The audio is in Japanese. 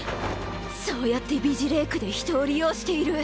そうやって美辞麗句で人を利用している。